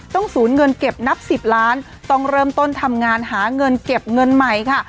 ศูนย์เงินเก็บนับ๑๐ล้านต้องเริ่มต้นทำงานหาเงินเก็บเงินใหม่ค่ะ